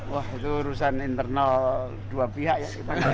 wah itu urusan internal dua pihak ya